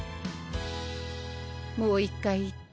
もう一回言って。